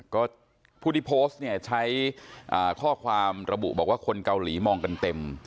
ก็ผู้ที่โพสต์เนี่ยใช้ข้อความระบุบอกว่าคนเกาหลีมองกันเต็ม